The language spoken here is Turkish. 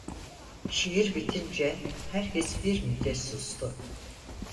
Şiir bitince herkes bir müddet sustu.